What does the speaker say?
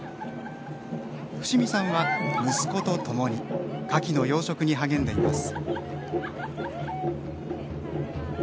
伏見さんは息子とともにかきの養殖に励んでいます。